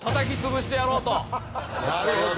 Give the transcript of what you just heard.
なるほど。